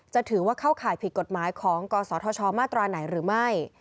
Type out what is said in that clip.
ถือว่าเข้าข่ายผิดกฎหมายของกศธชมาตราไหนหรือไม่